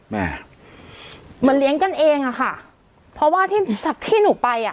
แม่เหมือนเลี้ยงกันเองอะค่ะเพราะว่าที่หนูไปอ่ะ